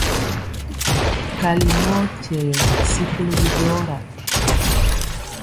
Kali mɔ kyɛwɛ sikoli bidɔra.